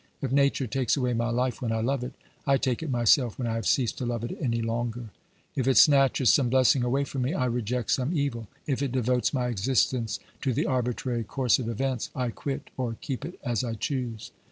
If Nature takes away my life when I love it, I take it myself when I have ceased to love it any longer. If it snatches some blessing away from me, I reject some evil ; if it devotes my existence to the arbitrary course of events, I quit or OBERMANN 151 keep it as I choose.